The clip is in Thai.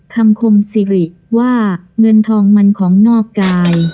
คมสิริว่าเงินทองมันของนอกกาย